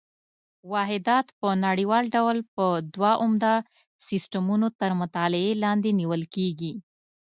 واحدات په نړیوال ډول په دوه عمده سیسټمونو تر مطالعې لاندې نیول کېږي.